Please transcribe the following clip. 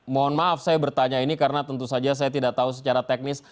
mohon maaf saya bertanya ini karena tentu saja saya tidak tahu secara teknis